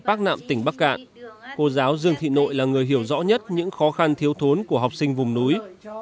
bác nạm tỉnh bắc cạn cô giáo dương thị nội là người hiểu rõ nhất những khó khăn thiếu thốn của học sinh vùng núi